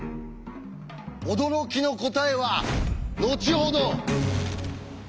驚きの答えは後ほど。